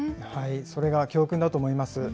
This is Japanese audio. それが教訓だと思います。